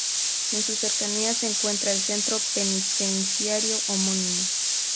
En sus cercanías se encuentra el centro penitenciario homónimo.